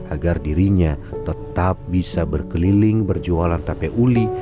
agar dirinya tetap bisa berkeliling berjualan tape uli